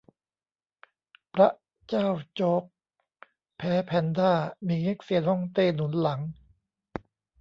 บร๊ะเจ้าโจ๊ก แพ้ แพนด้า มี เง็กเซียนฮ่องเต้หนุนหลัง